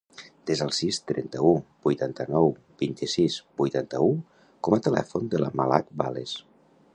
Desa el sis, trenta-u, vuitanta-nou, vint-i-sis, vuitanta-u com a telèfon de la Malak Vales.